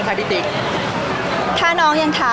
พี่ตอบได้แค่นี้จริงค่ะ